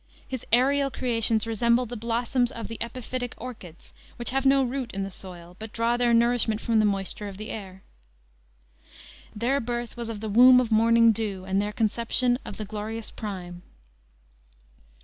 His aerial creations resemble the blossoms of the epiphytic orchids, which have no root in the soil, but draw their nourishment from the moisture of the air. "Their birth was of the womb of morning dew, And their conception of the glorious prime."